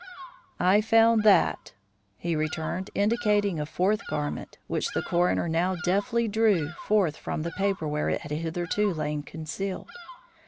"I found that," he returned, indicating a fourth garment, which the coroner now deftly drew forth from the paper where it had hitherto lain concealed.